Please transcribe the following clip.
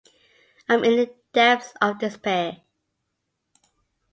I’m in the depths of despair.